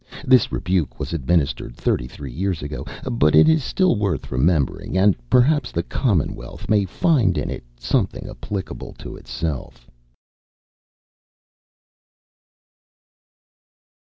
This rebuke was administered thirty three years ago, but it is still worth remembering, and perhaps the Commonwealth may find in it something applicable to itself.